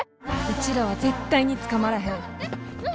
うちらは絶対に捕まらへん。